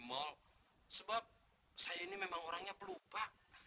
mall sebab saya ini memang orangnya pelupa